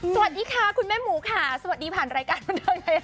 สวัสดีค่ะคุณแม่หมูค่ะสวัสดีผ่านรายการบันเทิงเลยค่ะ